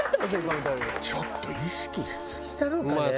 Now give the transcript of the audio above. ちょっと意識しすぎなのかね。